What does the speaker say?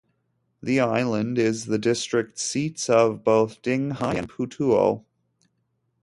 The island is the district seats of both Dinghai and Putuo.